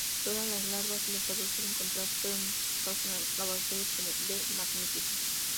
Todas las larvas y los adultos encontrados fueron identificados en laboratorio como W.magnifica.